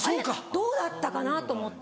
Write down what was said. どうだったかなと思って。